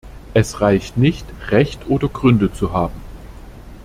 Es reicht nicht, Recht oder Gründe zu haben.